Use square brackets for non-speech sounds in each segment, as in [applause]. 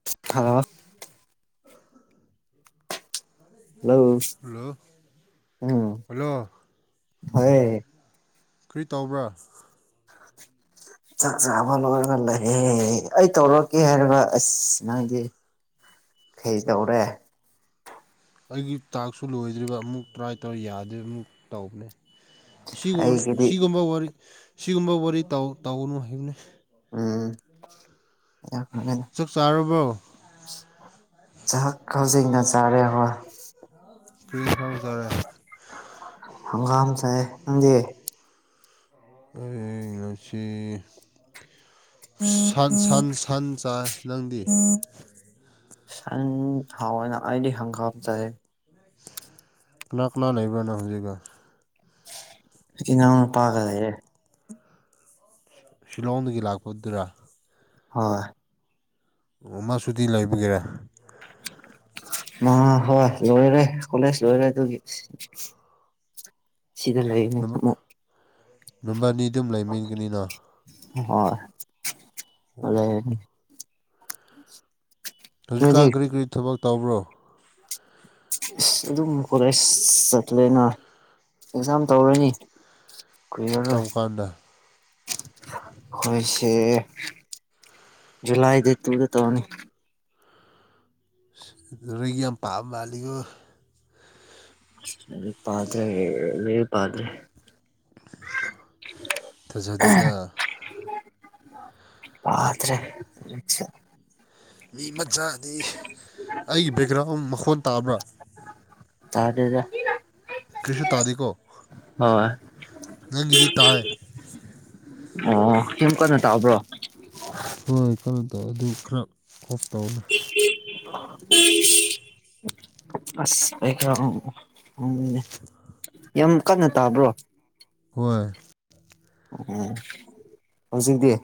[unintelligible] Hello hello ꯎꯝ [unintelligible] ꯀꯔꯤ ꯇꯧꯕ꯭ꯔꯥ [inaudible] ꯆꯥꯛ ꯆꯥꯕ ꯂꯣꯏꯔꯒ ꯂꯩꯍꯌꯦ ꯑꯩ ꯇꯧꯔꯛꯀꯦ ꯍꯥꯏꯔꯒ ꯑꯁ ꯅꯪꯒꯤ ꯀꯩꯗꯧꯔꯦ ꯑꯩꯒꯤ ꯇꯥꯛꯁꯁꯨ ꯂꯣꯏꯗ꯭ꯔꯤꯕ ꯑꯃꯨꯛ ꯇ꯭ꯔꯥꯏ ꯇꯧꯔ ꯌꯥꯗꯦ ꯑꯃꯨꯛ ꯇꯧꯕꯅꯦ [unintelligible] ꯑꯩꯒꯤꯗꯤ ꯁꯤꯒꯨꯝꯕ ꯁꯤꯒꯨꯝꯕ ꯋꯥꯔꯤ ꯇꯧꯒꯅꯨ ꯍꯥꯏꯕꯅꯤ ꯎꯝ ꯆꯥꯛ ꯆꯥꯔꯕ꯭ꯔꯣ ꯆꯥꯛ ꯍꯧꯖꯤꯛꯅ ꯆꯥꯔꯦ [unintelligible] ꯀꯔꯤ ꯏꯟꯁꯥꯡ ꯆꯥꯔꯦ ꯍꯪꯒꯥꯝ ꯆꯥꯏꯌꯦ ꯅꯪꯗꯤ ꯑꯗꯨ ꯉꯁꯤ ꯁꯟ ꯁꯟ ꯁꯟ ꯆꯥꯏ ꯅꯪꯗꯤ ꯁꯥꯟ ꯍꯋꯥꯅꯥ ꯑꯩꯗꯤ ꯍꯪꯒꯥꯝ ꯆꯥꯏ ꯀꯅꯥ ꯀꯅꯥ ꯂꯩꯕꯅꯣ ꯍꯧꯖꯤꯛꯅ ꯏꯅꯥꯎ ꯅꯨꯄꯥ ꯂꯩꯌꯦ ꯁꯤꯂꯣꯡꯗꯒꯤ ꯂꯥꯛꯄꯗꯨꯔ ꯍꯣꯏ ꯃꯁꯨꯇꯤ ꯂꯩꯕꯒꯤꯔꯥ ꯃ ꯍꯣꯏ ꯂꯣꯏꯔꯦ ꯀꯣꯂꯦꯖ ꯂꯣꯏꯔꯦ ꯗꯨꯒꯤ [unintelligible] ꯁꯤꯗ ꯂꯩꯔꯤꯅꯦ ꯑꯃꯨꯛ ꯅꯨꯕꯥꯏꯅꯤ ꯑꯗꯨꯝ ꯂꯩꯃꯤꯟꯒꯅꯤꯅꯣ ꯍꯣꯏ [unintelligible] ꯍꯟꯂꯛꯑꯦ ꯅꯣꯏꯗꯤ ꯍꯧꯖꯤꯛꯀꯥꯟ ꯀꯔꯤ ꯀꯔꯤ ꯊꯕꯛ ꯇꯧꯕ꯭ꯔꯣ ꯏꯁ ꯑꯗꯨꯝ ꯀꯣꯂꯦꯖ ꯆꯠꯂꯦꯅ ꯑꯦꯛꯖꯥꯝ ꯇꯧꯔꯅꯤ ꯀꯨꯏꯔꯥꯔꯣꯏ ꯀꯔꯝ ꯀꯥꯟꯗ ꯍꯣꯏꯁꯦ ꯖꯨꯂꯥꯏꯗ ꯗꯦꯗ ꯇꯨꯗ ꯇꯧꯔꯅꯤ ꯂꯥꯏꯔꯤꯛ ꯌꯥꯝ ꯄꯥꯕ ꯃꯥꯜꯂꯤꯉꯣ ꯑꯗꯨ ꯄꯥꯇ꯭ꯔꯦ ꯂꯩꯔꯤꯛ ꯄꯥꯗ꯭ꯔꯦ ꯊꯥꯖꯗꯦꯗ ꯄꯥꯇ꯭ꯔꯦ ꯃꯤ ꯃꯆꯥꯗꯤ ꯑꯩꯒꯤ ꯕꯦꯛꯒ꯭ꯔꯥꯎꯟ ꯃꯈꯣꯟ ꯇꯥꯕ꯭ꯔꯥ ꯇꯥꯗꯦꯗ ꯀ꯭ꯔꯤꯁꯨ ꯇꯥꯗꯦꯀꯣ ꯍꯣꯏ ꯅꯪꯒꯤꯗꯤ ꯇꯥꯏ ꯑꯣ ꯁꯦꯝꯨꯝ ꯀꯟꯅ ꯇꯥꯕ꯭ꯔꯣ ꯍꯣꯏ ꯀꯩꯅꯣ ꯇꯧꯋꯦ ꯑꯗꯨ ꯈꯔ ꯑꯣꯞ ꯇꯧꯅ ꯎꯝ ꯑꯁ ꯑꯩ ꯈꯔꯅꯦ ꯌꯥꯝ ꯀꯟꯅ ꯇꯥꯕ꯭ꯔꯣ ꯍꯣꯏ ꯎꯝ ꯍꯧꯖꯤꯗꯤꯦ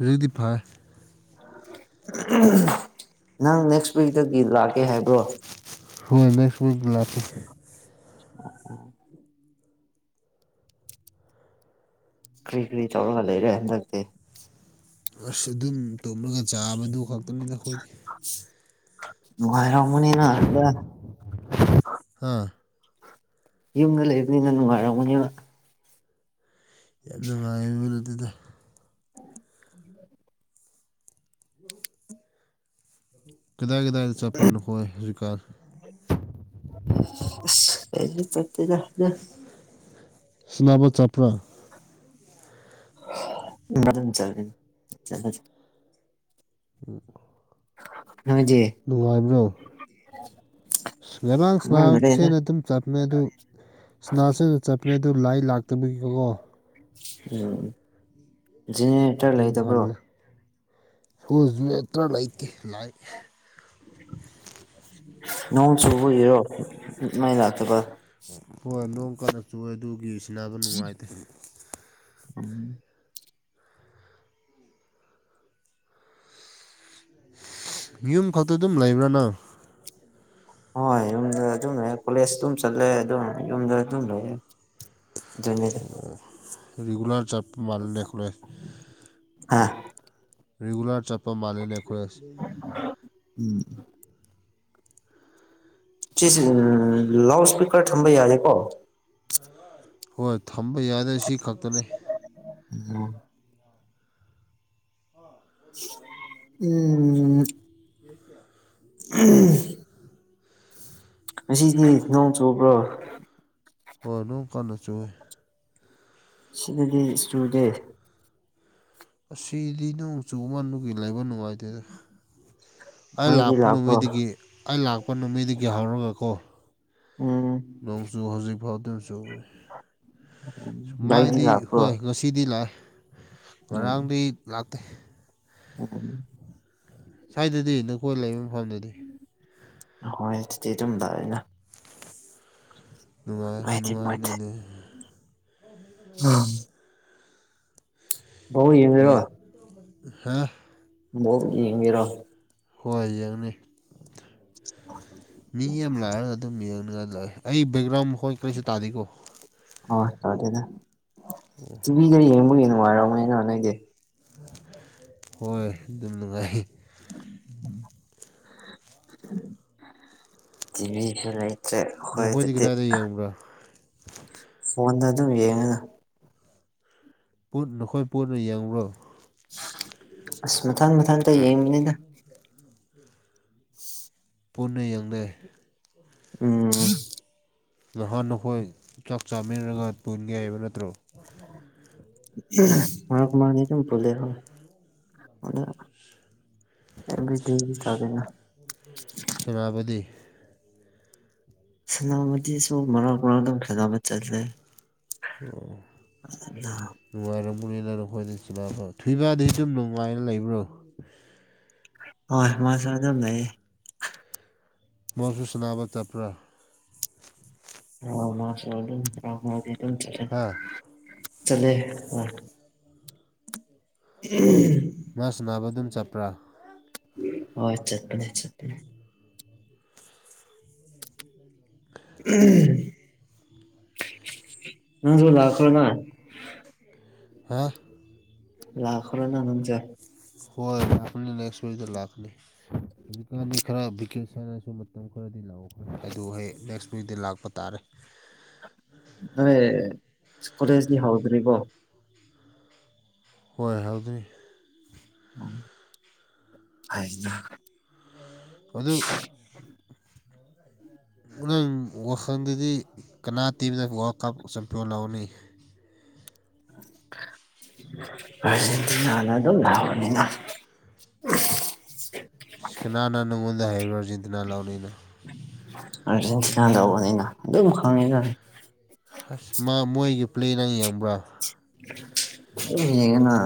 ꯔꯦꯗꯤꯐꯥꯏ ꯅꯪ ꯅꯦꯛꯁ ꯋꯤꯛꯇꯒꯤ ꯂꯥꯛꯀꯦ ꯍꯥꯏꯕ꯭ꯔꯣ ꯍꯣꯏ ꯃ ꯁꯒꯂꯥꯁ ꯑ ꯀ꯭ꯔꯤ ꯀ꯭ꯔꯤ ꯇꯧꯔꯒ ꯂꯩꯔꯦ ꯍꯟꯗꯛꯇꯤ ꯑꯁ ꯑꯗꯨꯝ ꯇꯨꯝꯂꯒ ꯆꯥꯕꯗꯨ ꯈꯛꯇꯅꯤꯗ ꯑꯩꯈꯣꯏꯗꯤ ꯉꯔ ꯋꯥꯃꯅꯤꯅꯗ ꯍꯥꯥ ꯌꯨꯝꯗ ꯂꯩꯕꯅꯤꯅ ꯅꯨꯡꯉꯥꯏꯔꯝꯒꯅꯦꯕ ꯌꯥꯝ ꯅꯨꯡꯉꯥꯏꯌꯦ ꯃꯤꯍꯨꯜ ꯑꯗꯨꯗ ꯀꯗꯥ ꯀꯗꯥ ꯆꯄꯔꯅ ꯍꯣꯏ ꯁ꯭ꯀꯥ ꯀ ꯆꯠꯇꯗꯗ ꯁꯅꯥꯕ ꯆꯥꯞꯄ꯭ꯔꯥ ꯃꯔ ꯆ ꯎꯝ ꯍꯖꯤ ꯅꯨꯡꯉꯥꯏꯕ꯭ꯔꯣ ꯈꯪꯉꯝꯃꯔꯣꯏꯗ ꯂꯩꯔꯥꯡꯁꯅꯥꯁꯦꯅ ꯑꯗꯨꯝ ꯆꯠꯃꯦ ꯑꯗꯨ ꯁꯅꯥꯁꯤꯡꯅ ꯆꯠꯄꯅꯦ ꯑꯗꯨ ꯂꯥꯏ ꯂꯥꯛꯇꯕꯒꯤꯀꯣ ꯎꯝ ꯖꯦꯅꯦꯔꯦꯇꯔ ꯑꯗꯨꯝ ꯂꯩꯇꯕ꯭ꯔꯣ ꯍꯅꯂ ꯁꯣꯜꯁꯨ ꯅꯠꯇ꯭ꯔꯥ ꯂꯩꯇꯦ ꯂ ꯉ ꯆꯨꯕꯔꯣ ꯃꯥꯏ ꯂꯥꯛꯇ ꯀ ꯍꯣꯏ ꯅꯣꯡ ꯀꯟꯅ ꯆꯨꯦ ꯑꯗꯨꯒꯤ ꯁꯤꯕ ꯅꯨꯡꯉꯥꯏꯇꯦ ꯎꯝ ꯌꯨꯝ ꯈꯛꯇ ꯑꯗꯨꯝ ꯂꯩꯕ꯭ꯔꯥꯅꯣ ꯍꯣꯏ ꯌꯨꯝꯗ ꯑꯗꯨꯝ ꯂꯩꯦ ꯀꯣꯂꯦꯖ ꯑꯗꯨꯝ ꯆꯠꯂꯦ ꯑꯗꯨꯝ ꯌꯨꯝꯗ ꯑꯗꯨꯝ ꯂꯩꯦ ꯑꯗꯨꯅꯦ ꯔꯔꯤꯒꯨꯂꯔ ꯆꯞ ꯃꯜꯗꯦꯈꯂꯦ ꯑꯥ ꯔꯤꯒꯨꯂꯔ ꯆꯠꯄ ꯃꯥꯜꯂꯦꯅꯦ ꯑꯩꯈꯣꯏ ꯎꯝ ꯆꯁ ꯎ ꯂꯥꯎꯗ ꯏꯁꯄꯤꯀꯔ ꯊꯝꯝꯕꯩ ꯍꯥꯂꯦꯀꯣ ꯍꯣꯏ ꯊꯝꯕ ꯌꯥꯗꯦ ꯁꯤ ꯈꯛꯇꯅꯤ ꯎꯝ ꯎꯝ ꯑ ꯉꯁꯤꯅꯤꯅꯥꯎ ꯆꯕ꯭ꯔꯣ ꯍꯣꯏ ꯅꯣꯡ ꯀꯥꯟꯟꯅ ꯆꯨꯋꯦ ꯁꯤꯗꯗꯤ ꯏꯁꯇꯨꯗꯦ ꯑꯁꯤꯗꯤ ꯅꯣꯡꯆꯨ ꯃꯥꯒꯤ ꯂꯩꯕ ꯅꯨꯡꯉꯥꯏꯇꯦꯗ ꯑꯩ ꯃꯩꯗꯤ ꯂꯥꯛꯄ ꯂꯥꯛꯄ꯭ꯔꯣ ꯅꯨꯃꯩꯗꯒꯤ ꯑꯩ ꯂꯥꯛꯄ ꯅꯃꯩꯗꯒꯤ ꯍꯧꯔꯒꯀꯣ ꯎꯝ ꯅꯣꯡꯖꯨ ꯍꯧꯖꯤꯛ ꯐꯥꯎꯗꯤꯝ ꯆꯨꯦ ꯂꯥꯏꯗꯤ ꯃꯥꯏꯗꯤ ꯂꯥꯛꯄ꯭ꯔꯣ ꯍꯣꯏ ꯉꯁꯤ ꯁꯤꯗꯤ ꯂꯥꯛꯑꯦ ꯉꯔꯥꯡꯗꯤ ꯂꯥꯛꯇꯦ ꯑ ꯁ꯭ꯋꯥꯏꯗꯗꯤ ꯅꯈꯣꯏ ꯂꯩꯕ ꯃꯐꯝꯗꯨꯗꯤ ꯍꯣꯏ ꯑꯗꯨꯗꯤ ꯑꯗꯨꯝꯝꯕ ꯑꯣꯏꯅ ꯅꯨꯡꯉꯥꯏ ꯍꯥꯏ ꯃꯥꯦ ꯑ ꯅꯨꯡꯉꯥꯏꯅ ꯂꯩ ꯕ ꯌꯦꯡꯉꯔꯣ ꯍꯥꯥ ꯃꯣꯔꯣ ꯍꯏꯖꯡꯅꯤ ꯎ ꯃꯤ ꯑꯃ ꯂꯥꯛꯑꯒ ꯑꯗꯨꯝ ꯌꯦꯡꯉꯒ ꯂꯥꯛꯑ ꯑꯩ ꯕꯦꯛꯒ꯭ꯔꯥꯎꯟ ꯍꯣꯏ ꯀꯔꯤꯁꯨ ꯇꯥꯗꯦꯀꯣ ꯍ ꯇꯗꯦꯗ ꯑ ꯇꯤꯚꯤꯗ ꯌꯦꯡꯕꯒꯤ ꯅꯨꯡꯉꯥꯏꯔꯔꯕꯅꯦꯅ ꯍꯣꯠꯅꯩꯦ ꯍꯣꯏ ꯑꯗꯨꯝ ꯅꯨꯡꯉꯥꯏ ꯇꯤꯚ ꯐ ꯂꯩꯥꯏ ꯅꯠꯇ꯭ꯔꯦ ꯍꯣꯏ ꯅꯈꯣꯏꯗꯤ ꯑꯗꯨꯗꯤ ꯀꯗꯥꯏꯗ ꯌꯦꯡꯕ꯭ꯔꯥ ꯐꯣꯟꯗ ꯑꯗꯨꯝ ꯌꯦꯡꯉꯅ ꯠ ꯅꯈꯣꯏ ꯄꯨꯠꯟꯅ ꯌꯦꯡꯂꯨꯔꯣ ꯑꯁ ꯃꯊꯪ ꯃꯊꯪ ꯣꯟ [inaudible] ꯄꯨꯟꯅ ꯌꯦꯡꯅꯩ ꯎꯝ ꯅꯍꯥꯟ ꯑꯩꯈꯣꯏ ꯆꯥꯛ ꯆꯥꯃꯤꯟꯅꯔꯒ ꯄꯨꯣꯏꯟꯒꯦꯏꯑꯕ ꯅꯠꯇ꯭ꯔꯣ ꯃꯥꯔ ꯀꯨ ꯃꯥꯥꯡꯅꯤꯇꯝ ꯐꯂꯦ ꯍꯣ ꯑꯦꯕꯤꯕꯤ ꯇꯗꯅ ꯁꯅꯥꯕꯗꯤ ꯁꯥꯟꯅꯕꯗꯤꯁꯨ ꯃꯔꯛ ꯃꯔꯥꯡ ꯑꯗꯨ ꯈꯦꯅꯕ ꯆꯠꯂꯦ ꯑꯗ ꯅꯨꯡꯉꯥꯏꯔꯝꯃꯅꯤꯅ ꯅꯈꯣꯏꯗ ꯆꯤꯜꯄ ꯊꯣꯏꯕꯗꯨ ꯁꯨꯝ ꯅꯨꯡꯉꯥꯏꯅ ꯂꯩꯕ꯭ꯔꯣ [inaudible] ꯍꯣꯏ ꯃꯥꯁ ꯑꯗꯨꯝ ꯂꯩꯌꯦ ꯃꯐꯨꯁ ꯅꯥꯕ ꯆꯠꯄ꯭ꯔꯥ ꯑꯥꯎ ꯃꯥ ꯁꯣ ꯑꯗꯨꯝꯃ ꯃꯥ ꯑꯗꯨꯝ ꯆ ꯍꯥ ꯆꯂꯦ ꯎꯝ ꯃꯥꯁꯨ ꯅꯥꯕ ꯑꯗꯨꯝ ꯆꯠꯄ꯭ꯔꯥ ꯍꯣꯏꯠ ꯆꯠꯄꯅꯦ ꯆꯠꯄꯅꯤ ꯅꯪꯁꯨꯣ ꯂꯥꯛꯈ꯭ꯔꯅꯥ ꯍꯥꯥ ꯂꯈꯣꯔ ꯂꯅꯅꯝꯆꯥ ꯍꯣꯏ ꯂꯥꯛꯀꯅꯤ ꯅꯦꯛꯁ ꯋꯤꯛꯇ ꯂꯥꯛꯀꯅꯤ꯫ ꯍꯧꯖꯤꯛꯀꯥꯟꯗꯤ ꯈꯔ ꯚꯀꯦꯁꯅꯁꯨ ꯃꯇꯝ ꯈꯔꯗꯤ ꯂꯑꯣ꯫ ꯑꯗꯨ ꯍꯦꯛ ꯅꯦꯛꯁ ꯋꯤꯛꯗ ꯂꯥꯛꯄ ꯇꯥꯔꯦ꯫ ꯅꯦ ꯀꯣꯂꯦꯖꯗꯤ ꯍꯧꯗ꯭ꯔꯤꯕꯣ꯫ ꯍꯣꯏ ꯍꯧꯗꯔꯤ꯫ ꯎꯝ ꯍꯥꯏꯅ꯫ ꯑꯗꯨ ꯅꯪ ꯋꯥꯈꯜꯗꯗꯤ꯫ ꯀꯅꯥꯇꯤꯝꯅ ꯋꯥꯛ ꯀꯥꯞ ꯆꯝꯄꯌꯣ ꯂꯧꯎꯅꯤ꯫ ꯑꯔꯖꯦꯟꯇꯅꯥ ꯑꯗꯨꯝ ꯂꯧꯅꯤꯅ꯫ ꯁꯤ ꯀꯅꯥꯅ ꯅꯪꯉꯣꯟꯗ ꯍꯩꯕ꯭ꯔꯣ ꯑꯔꯖꯦꯟꯇꯤꯟꯇ ꯂꯧꯅꯤꯅ꯫ ꯑꯔꯖꯦꯟꯇꯤꯅ ꯂꯧꯒꯅꯤꯅ ꯑꯗꯨꯝ ꯈꯪꯉꯤꯅ꯫ ꯑꯁ ꯃꯥ ꯃꯣꯏꯒꯤ ꯄ꯭ꯂꯦ ꯅꯪ ꯌꯦꯡꯕ꯭ꯔꯥ꯫ ꯑꯗꯨꯝ ꯌꯦꯉꯅꯥ꯫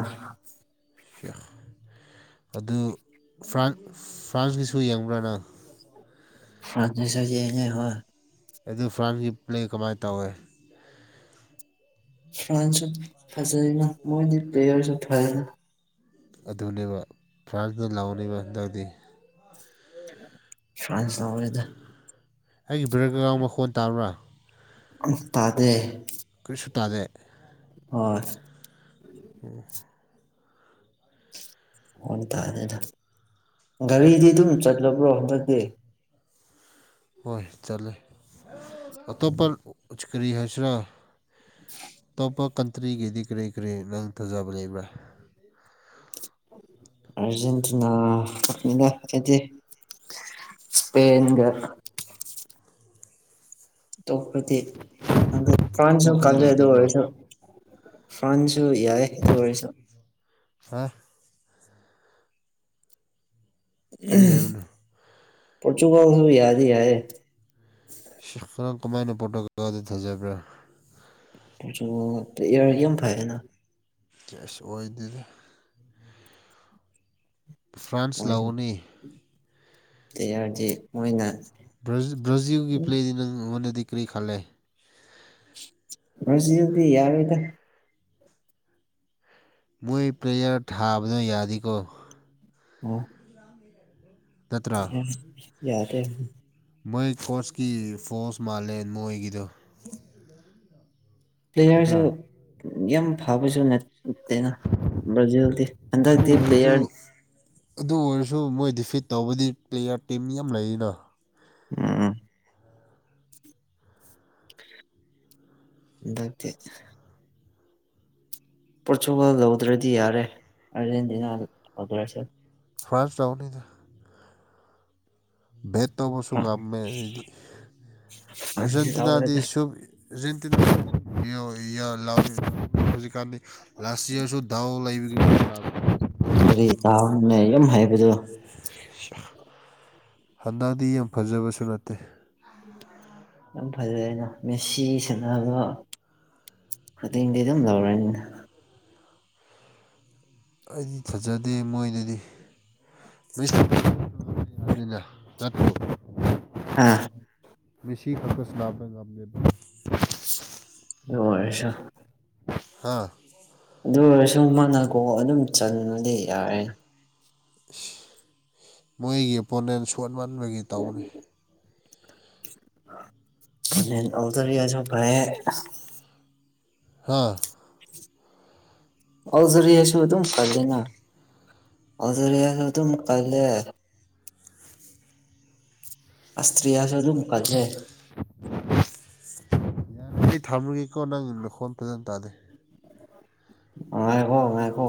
ꯑꯗꯨ ꯐ꯭ꯔꯥꯟ ꯐ꯭ꯔꯥꯟꯁꯀꯤꯁꯨ ꯌꯦꯡꯕ꯭ꯔꯥ ꯅꯪ꯫ ꯐ꯭ꯔꯥꯟꯁꯒꯤꯁꯨ ꯌꯦꯡꯏ ꯍꯣꯏ꯫ ꯑꯗꯨ ꯐ꯭ꯔꯥꯟꯒꯤ ꯄ꯭ꯂꯦ ꯀꯃꯥꯏꯅ ꯇꯧꯋꯦ꯫ ꯐ꯭ꯔꯥꯟꯁꯨ ꯐꯖꯩꯅ ꯃꯣꯏꯗꯤ ꯄ꯭ꯂꯦꯌꯔꯁꯨ ꯐꯖꯅ꯫ ꯑꯗꯨꯅꯦꯕ ꯐ꯭ꯔꯥꯟꯁꯅ ꯂꯧꯎꯅꯦꯕ ꯍꯟꯗꯛꯗꯤ꯫ ꯐ꯭ꯔꯥꯟꯁ ꯂꯧꯔꯣꯏꯗ ꯫ ꯑꯩꯒꯤ ꯕ꯭ꯔꯦꯒꯔꯣꯟ ꯃꯈꯣꯟ ꯇꯥꯕ꯭ꯔꯥ꯫ ꯇꯥꯗꯦ꯫ ꯀꯔꯤꯁꯨ ꯇꯥꯗꯦ꯫ ꯍꯣꯏ꯫ ꯎꯝ꯫ ꯑꯣ ꯇꯥꯗꯦꯗ ꯒꯥꯔꯤꯗꯤ ꯑꯗꯨꯝ ꯆꯠꯂꯕ꯭ꯔꯣ ꯍꯟꯗꯛꯇꯤ꯫ ꯍꯣꯏ ꯆꯠꯂꯦ ꯑꯇꯣꯞꯄ ꯀꯔꯤ ꯍꯥꯏꯁꯤꯔꯥ꯫ ꯑꯇꯣꯞꯄ ꯀꯟꯇ꯭ꯔꯤꯒꯤꯗꯤ ꯀꯔꯤ ꯀꯔꯤ ꯅꯪ ꯊꯖꯕ ꯂꯩꯕ꯭ꯔꯥ꯫ ꯑꯔꯖꯦꯟꯇꯤꯅꯥꯅꯤꯅ ꯑꯩꯗꯤ꯫ ꯁꯄꯦꯟꯒ꯫ ꯑꯇꯣꯞꯄꯗꯤ ꯐ꯭ꯔꯥꯟꯁꯨ ꯑꯇꯣꯞꯄꯗꯤ ꯀꯂꯦ ꯑꯗꯨ ꯂꯩꯇꯕ꯭ꯔꯣ ꯑꯣꯏꯔꯁꯨ꯫ ꯐ꯭ꯔꯥꯟꯁꯨ ꯌꯥꯏ ꯑꯗꯨ ꯑꯣꯏꯔꯁꯨ꯫ ꯍꯥ꯫ ꯀꯔꯤ ꯍꯥꯏꯕꯅꯣ ꯄꯣꯔꯇꯨꯒꯜꯁꯨ ꯌꯥꯗꯤ ꯌꯥꯌꯦ꯫ ꯁꯤꯔ ꯀꯥꯃꯥꯏꯅ ꯄꯣꯔꯇꯨꯒꯜꯗ ꯊꯖꯕ꯭ꯔꯥ꯫ ꯑꯗꯨ ꯑꯦꯔꯒꯤꯝ ꯐꯥꯏꯅ ꯑꯁ ꯑꯣꯏꯗꯦꯗ꯫ ꯐ꯭ꯔꯥꯟꯁ ꯂꯧꯒꯅꯤ ꯇꯌꯥꯔꯗꯤ ꯃꯣꯏꯅꯥ꯫ ꯕ꯭ꯔꯖꯤꯜ ꯕ꯭ꯔꯥꯖꯤꯜꯒꯤ ꯄ꯭ꯂꯦꯗꯤ ꯅꯪꯉꯣꯟꯗꯗꯤ ꯀꯔꯤ ꯈꯥꯜꯂꯦ꯫ ꯕ꯭ꯔꯖꯤꯜꯗꯤ ꯌꯥꯔꯣꯏꯗ꯫ ꯃꯣꯏ ꯄ꯭ꯂꯦꯌꯔ ꯊꯥꯕꯗꯣ ꯌꯥꯗꯤꯀꯣ꯫ ꯑꯣ꯫ ꯅꯠꯇ꯭ꯔꯥ ꯌꯦꯁ ꯌꯥꯗꯦ꯫ ꯃꯣꯏ ꯀꯣꯁꯀꯤ ꯐꯣꯁ ꯃꯥꯜꯂꯦ ꯃꯣꯏꯒꯤꯗꯣ꯫ ꯄ꯭ꯂꯦꯌꯔꯁꯨ ꯅꯠꯇ꯭ꯔꯥ ꯌꯥꯝ ꯐꯕꯁꯨ ꯅꯥꯠ ꯑꯨꯞꯇꯦꯅꯥ ꯕ꯭ꯔꯖꯤꯜꯗꯤ ꯑꯗꯨ ꯍꯟꯗꯛꯗꯤ ꯑꯣꯏꯔꯁꯨ ꯄ꯭ꯂꯦꯌꯔ꯫ ꯑꯗꯨ ꯑꯣꯏꯔꯁꯨ ꯃꯣꯏ ꯗꯤꯐꯤꯠ ꯇꯧꯕꯗꯤ ꯄ꯭ꯂꯦꯌꯥꯔ ꯇꯤꯝ ꯌꯥꯝ ꯂꯩꯔꯤꯅ꯫ ꯎꯝ ꯍꯟꯗꯛꯇꯤ ꯄꯣꯔꯇꯨꯒꯥꯜ ꯂꯧꯗ꯭ꯔꯗꯤ ꯌꯥꯔꯦ ꯑꯥꯔꯖꯦꯟꯇꯤꯅꯥ ꯂꯧꯗ꯭ꯔꯁꯨ꯫ ꯐ꯭ꯔꯥꯟꯁ ꯂꯧꯅꯤꯗ ꯕꯦꯠ ꯇꯧꯕꯁꯨ ꯉꯝꯃꯦ ꯑꯗꯨꯗꯤ ꯐ꯭ꯔꯥꯟꯁ ꯑꯥꯔꯖꯦꯟꯇꯤꯅꯥꯗꯤ ꯂꯧꯔꯒ ꯁꯨꯛ [unintelligible] ꯂꯥꯁ ꯏꯌꯔꯁꯨ ꯗꯥꯎ ꯂꯩꯕꯒꯤ [unintelligible] ꯀꯔꯤ ꯆꯗꯥꯎꯅꯣꯅꯦ ꯌꯥꯝ ꯍꯩꯕꯗꯨ ꯍꯟꯗꯛꯗꯤ ꯌꯥꯝ ꯐꯖꯕꯁꯨ ꯅꯠꯇꯦ꯫ ꯌꯥꯝ ꯐꯖꯩꯅ ꯃꯦꯁꯤ ꯁꯥꯟꯅꯕ ꯈꯨꯗꯤꯡꯗꯤ ꯑꯗꯨꯝ ꯂꯧꯔꯅꯤꯅ꯫ ꯑꯩꯗꯤ ꯐꯖꯗꯦ ꯃꯣꯏꯗꯗꯤ [unintelligible] ꯑꯥ ꯃꯦꯁꯤ ꯈꯛꯇ ꯁꯅꯥꯕ ꯉꯝꯗꯦ꯫ [unintelligible] ꯍꯥꯥ ꯑꯗꯨ ꯑꯣꯏꯔꯁꯨ ꯃꯥꯅ ꯒꯣꯜ ꯑꯗꯨꯝ ꯆꯟꯂꯗꯤ ꯌꯥꯔꯦ꯫ ꯃꯣꯏꯒꯤ ꯑꯣꯄꯣꯅꯦꯟ ꯁꯣꯠ ꯃꯟꯕꯒꯤ ꯇꯧꯕꯅꯤ꯫ [unintelligible] ꯍꯥꯥ ꯑꯜꯖꯔꯤꯌꯥꯁꯨ ꯑꯗꯨꯝ ꯀꯜꯂꯦꯅ ꯑꯜꯖꯔꯤꯌꯥ ꯁꯨ ꯑꯗꯨꯝ ꯀꯜꯂꯦ꯫ ꯑꯁꯇ꯭ꯔꯤꯌꯥꯁꯨ ꯑꯗꯨꯝ ꯀꯜꯂꯦ꯫ ꯊꯝꯃꯨꯒꯦꯀꯣ ꯅꯪ ꯅꯈꯣꯟ ꯐꯖꯅ ꯇꯥꯗꯦ꯫ ꯑꯉꯥꯏꯈꯣ ꯉꯥꯏꯈꯣ